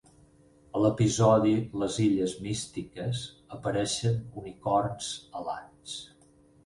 A l'episodi "Les illes místiques" apareixen unicorns alats.